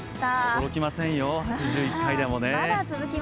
驚きませんよ、８１回でもね。